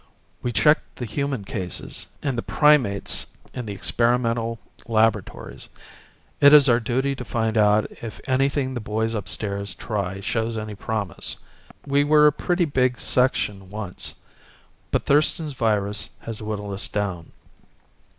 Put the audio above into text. We check the human cases, and the primates in the experimental laboratories. It is our duty to find out if anything the boys upstairs try shows any promise. We were a pretty big section once, but Thurston's virus has whittled us down.